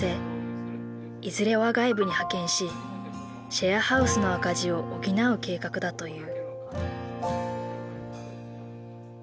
いずれは外部に派遣しシェアハウスの赤字を補う計画だという。